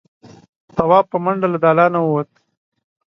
تواب په منډه له دالانه ووت.